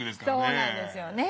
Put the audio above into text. そうなんですよね。